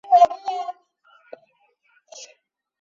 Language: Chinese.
夏天瀑布的流量会因上游冰川融雪所带来的水而上升。